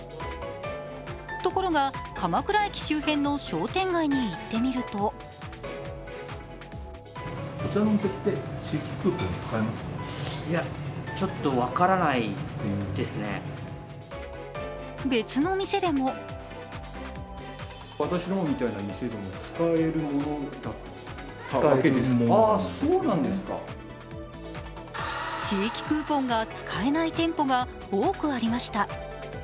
ところが、鎌倉駅周辺の商店街に行ってみると別の店でも地域クーポンが使えない店舗が、多くありました。